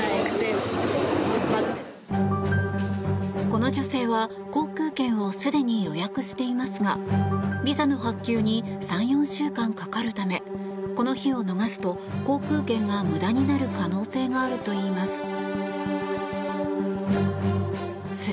この女性は航空券をすでに予約していますがビザの発給に３４週間かかるためこの日を逃すと航空券が無駄になる可能性があるといいます。